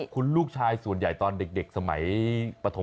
คุณลูกชายส่วนใหญ่ตอนเด็กสมัยปฐม